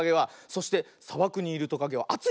そしてさばくにいるトカゲはあついよ。